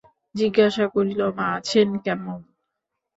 জিজ্ঞাসা করিল, মা আছেন কেমন।